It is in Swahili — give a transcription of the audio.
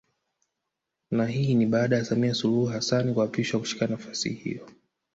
Na hii ni baada ya Samia Suluhu Hassan kuapishwa kushika nafasi hiyo